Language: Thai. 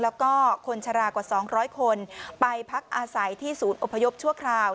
แล้วก็คนชะลากว่า๒๐๐คนไปพักอาศัยที่ศูนย์อพยพชั่วคราว